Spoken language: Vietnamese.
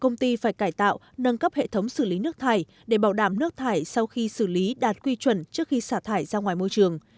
công ty phải cải tạo nâng cấp hệ thống xử lý nước thải để bảo đảm nước thải sau khi xử lý đạt quy chuẩn trước khi xả thải ra ngoài môi trường